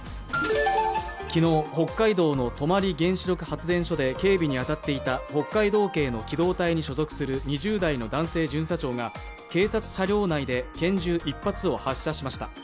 昨日、北海道の泊原子力発電所で警備に当たっていた北海道警の機動隊に所属する２０代の男性巡査長が警察車両内で拳銃１発を発射しました。